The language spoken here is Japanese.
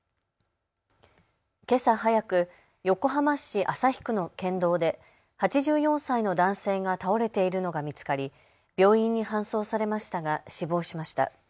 けさ早く、横浜市旭区の県道で８４歳の男性が倒れているのが見つかり病院に搬送されましたが死亡しました。